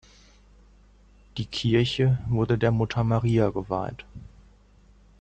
Die Kirche wurde der Mutter Maria geweiht.